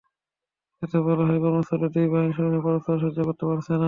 এতে বলা হয়, কর্মস্থলে দুই বাহিনীর সদস্যরা পরস্পরকে সহ্য করতে পারছেন না।